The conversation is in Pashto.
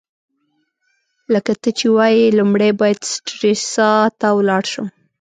لکه ته چي وايې، لومړی باید سټریسا ته ولاړ شم.